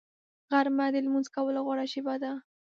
غرمه د لمونځ کولو غوره شېبه ده